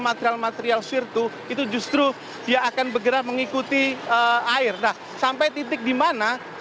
material material virtu itu justru dia akan bergerak mengikuti air nah sampai titik dimana